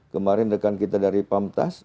kemarin rekan kita dari pamtas